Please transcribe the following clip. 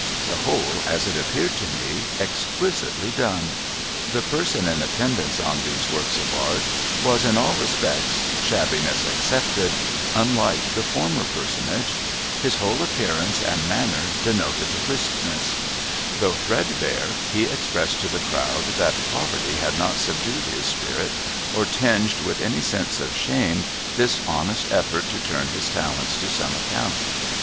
The whole, as it appeared to me, exquisitely done. The person in attendance on these works of art was in all respects, shabbiness excepted, unlike the former personage. His whole appearance and manner denoted briskness. Though threadbare, he expressed to the crowd that poverty had not subdued his spirit, or 312 SOMEBODY'S LUGGAGE tinged with any sense of shame this honest effort to turn his talents to some account.